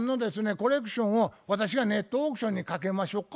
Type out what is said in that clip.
コレクションを私がネットオークションにかけましょか？」